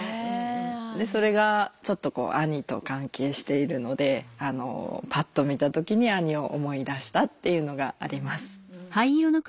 でそれがちょっとこう兄と関係しているのでパッと見た時に兄を思い出したっていうのがあります。